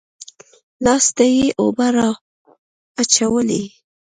لاس ته يې اوبه رااچولې.